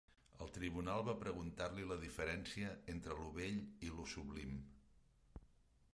El tribunal va preguntar-li la diferència entre lo bell i lo sublim